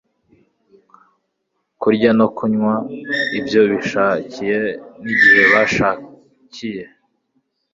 kurya no kunywa ibyo bishakiye nigihe bashakiye